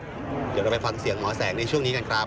เดี๋ยวเราไปฟังเสียงหมอแสงในช่วงนี้กันครับ